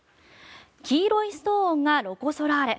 黄色いストーンがロコ・ソラーレ。